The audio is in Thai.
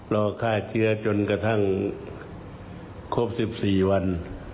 รอฆ่าเชื้อจนกระทั่งครบ๑๔วัน